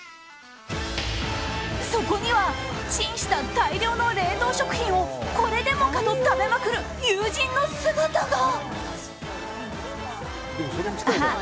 そこにはチンした大量の冷凍食品をこれでもかと食べまくる友人の姿が。